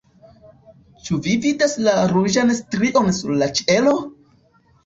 ĉu vi vidas la ruĝan strion sur la ĉielo?